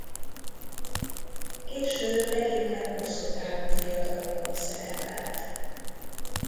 Később leginkább hosszútávú viadalokon szerepelt.